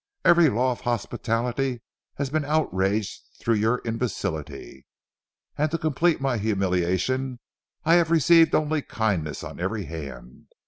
Every law of hospitality has been outraged through your imbecility. And to complete my humiliation, I have received only kindness on every hand.